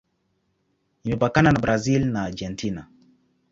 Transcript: Imepakana na Brazil na Argentina.